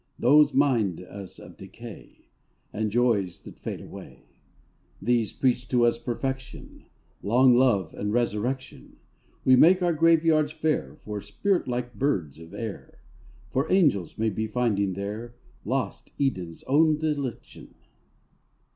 Those mind us of decay And joys that fade away, These preach to us perfection, Long love, and resurrection. We make our graveyards fair For spirit like birds of air, For Angels may be finding there Lost Eden's own delection.